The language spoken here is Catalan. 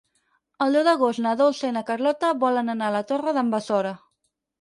El deu d'agost na Dolça i na Carlota volen anar a la Torre d'en Besora.